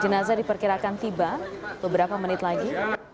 jenazah diperkirakan tiba beberapa menit lagi